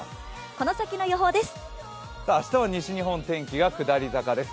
この先の予報です。